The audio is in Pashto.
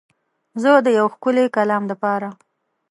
زه د یو ښکلی کلام دپاره